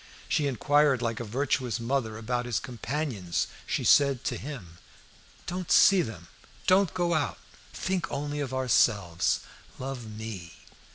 She inquired like a virtuous mother about his companions. She said to him "Don't see them; don't go out; think only of ourselves; love me!"